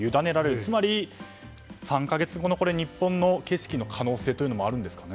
つまり、３か月後の日本の景色の可能性もあるんですかね。